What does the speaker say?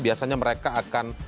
biasanya mereka akan